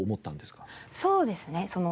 そうですね